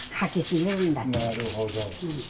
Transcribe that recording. なるほど。